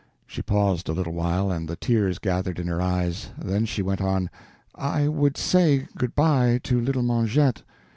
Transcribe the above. She paused a little while, and the tears gathered in her eyes; then she went on: "I would say good by to Little Mengette.